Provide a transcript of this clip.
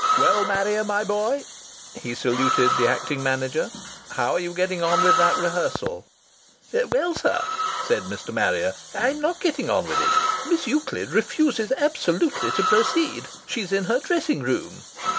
"Well, Marrier, my boy," he saluted the acting manager, "how are you getting on with that rehearsal?" "Well, sir," said Mr. Marrier, "I'm not getting on with it. Miss Euclid refuses absolutely to proceed. She's in her dressing room."